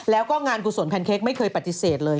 แล้วก็งานกุศลแพนเค้กไม่เคยปฏิเสธเลย